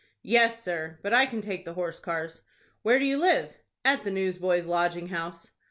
"Yes, sir; but I can take the horse cars." "Where do you live?" "At the Newsboys' Lodging House."